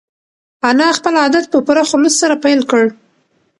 انا خپل عبادت په پوره خلوص سره پیل کړ.